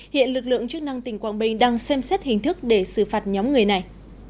hiện lực lượng chức năng tỉnh quảng bình đang xem xét hình thức để xử phạt nhóm người này